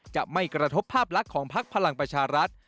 จะไม่กระทบภาพลักษณ์ของพักพลังประชารัฐ